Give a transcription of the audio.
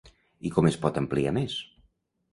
I com es pot ampliar més?